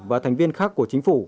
và thành viên khác của chính phủ